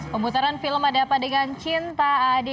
pemutaran film ada apa dengan cinta adi